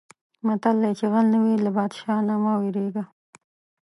متل دی: چې غل نه وې له پادشاه نه مه وېرېږه.